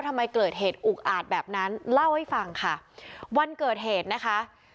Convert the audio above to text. ทำไมเกิดเหตุอุกอาจแบบนั้นเล่าให้ฟังค่ะวันเกิดเหตุนะคะ